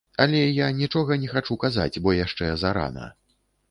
Але я нічога не хачу казаць, бо яшчэ зарана.